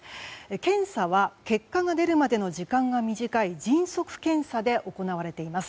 検査は結果が出るまでの時間が短い迅速検査で行われています。